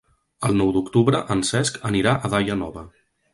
El nou d'octubre en Cesc anirà a Daia Nova.